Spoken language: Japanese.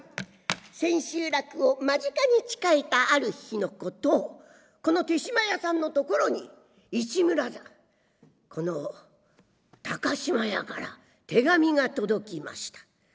千秋楽を間近に控えたある日のことこの豊島屋さんのところに市村座この高島屋から手紙が届きました。